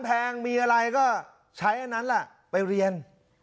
แพงมีอะไรก็ใช้อันนั้นแหละไปเรียน